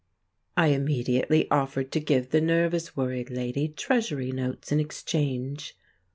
I immediately offered to give the nervous, worried lady Treasury notes in exchange.